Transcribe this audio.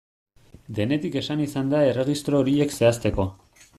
Denetik esan izan da erregistro horiek zehazteko.